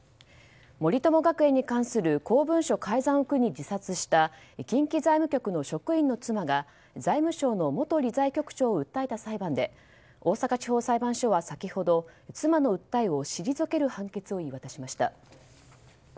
森友学園に関する公文書改ざんを苦に自殺した近畿財務局の職員の妻が財務省の元理財局長を訴えた裁判で大阪地方裁判所は先ほど妻の訴えを退ける判決を言い渡しました。